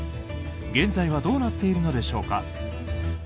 現在はどうなっているのでしょうか。